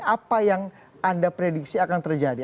apa yang anda prediksi akan terjadi